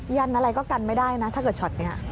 ยันอะไรก็กันไม่ได้นะถ้าเกิดช็อตนี้